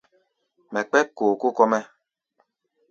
Mɛ kpɛ́k kookóo kɔ́-mɛ́.